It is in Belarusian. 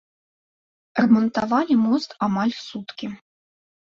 Рамантавалі мост амаль суткі.